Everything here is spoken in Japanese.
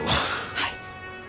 はい。